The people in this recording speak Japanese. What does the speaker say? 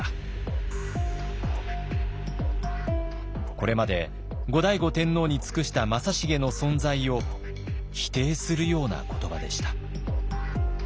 これまで後醍醐天皇に尽くした正成の存在を否定するような言葉でした。